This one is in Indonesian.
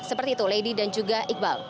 seperti itu lady dan juga iqbal